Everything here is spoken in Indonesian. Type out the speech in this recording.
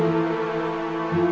jangan lupa bang eri